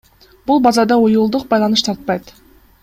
Бул базада уюлдук байланыш тартпайт.